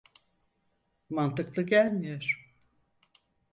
Mantıklı gelmiyor.